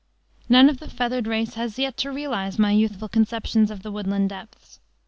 None of the feathered race has yet realized my youthful conceptions of the woodland depths.